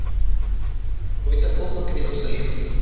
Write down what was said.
Hoy tampoco ha querido salir.